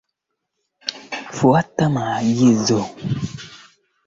walioamua kuishi kwa njia ya pekee Mara nyingi tumezoea kuwaona